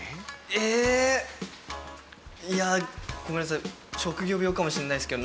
ええっ？いやごめんなさい。